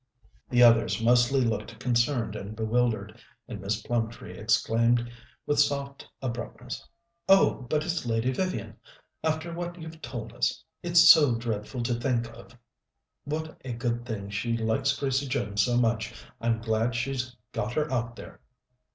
The others mostly looked concerned and bewildered, and Miss Plumtree exclaimed with soft abruptness: "Oh, but it's Lady Vivian after what you've told us. It's so dreadful to think of! What a good thing she likes Gracie Jones so much! I'm glad she's got her out there."